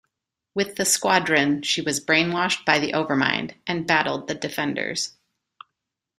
With the Squadron, she was brainwashed by the Overmind, and battled the Defenders.